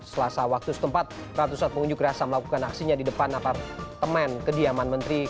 selasa waktu setempat ratusan pengunjuk rasa melakukan aksinya di depan apartemen kediaman menteri